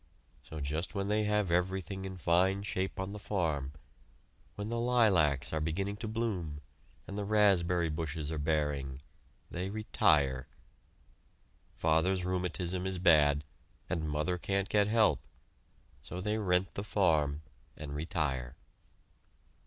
So just when they have everything in fine shape on the farm, when the lilacs are beginning to bloom and the raspberry bushes are bearing, they "retire." Father's rheumatism is bad, and mother can't get help, so they rent the farm and retire.